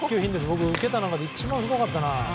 僕、受けた中で一番すごかったな。